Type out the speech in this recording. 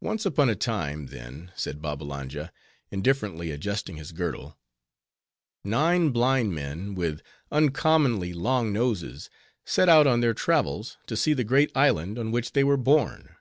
"Once upon a time, then," said Babbalanja, indifferently adjusting his girdle, "nine blind men, with uncommonly long noses, set out on their travels to see the great island on which they were born."